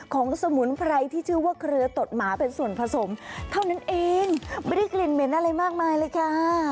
สมุนไพรที่ชื่อว่าเครือตดหมาเป็นส่วนผสมเท่านั้นเองไม่ได้กลิ่นเหม็นอะไรมากมายเลยค่ะ